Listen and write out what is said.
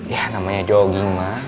ya namanya jogging mah